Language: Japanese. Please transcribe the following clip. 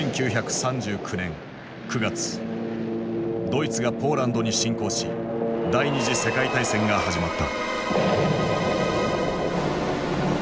ドイツがポーランドに侵攻し第二次世界大戦が始まった。